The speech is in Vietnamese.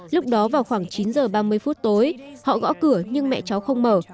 lúc đó vào khoảng chín giờ ba mươi phút tối họ gõ cửa nhưng mẹ cháu không mở